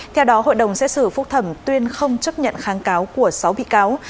theo đó hội đồng xét xử phúc thẩm tuyên không chấp nhận kháng cáo của sáu bị cáo